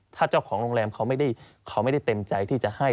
ถ้าเจ้าของโรงแรมเขาไม่ได้เต็มใจที่จะให้